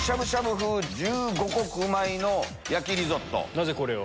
なぜこれを？